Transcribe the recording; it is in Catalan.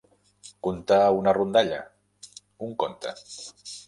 Contar una rondalla, un conte.